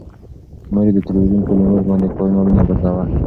مور یې د تلویزون په ریموټ باندې کانالونه بدلول.